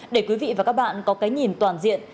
để quý vị và các bạn có cái nhìn toàn diện